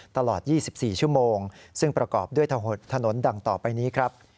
ตลอด๒๔ชั่วโมงซึ่งประกอบด้วยถนนดังต่อไปนี้ครับ